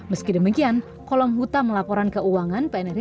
meski demikian kolom hutan laporan keuangan pnri